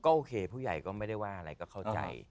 โอเคผู้ใหญ่ก็ไม่ได้ว่าอะไรก็เข้าใจ